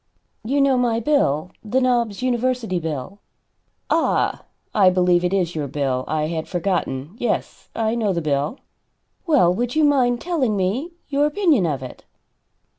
"You know my bill the Knobs University bill?" "Ah, I believe it is your bill. I had forgotten. Yes, I know the bill." "Well, would you mind telling me your opinion of it?"